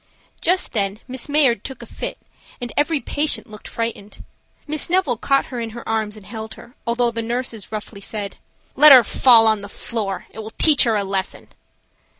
Just then Miss Mayard took a fit and every patient looked frightened. Miss Neville caught her in her arms and held her, although the nurses roughly said: "Let her fall on the floor and it will teach her a lesson."